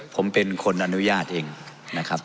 ผมเป็นคนอนุญาตเองนะครับ